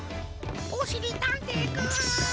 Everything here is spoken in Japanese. おしりたんていくん。